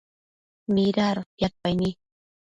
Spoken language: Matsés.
mida adotiadpaini